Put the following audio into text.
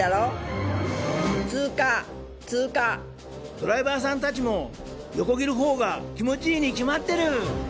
ドライバーさんたちも横切るほうが気持ちいいに決まってる。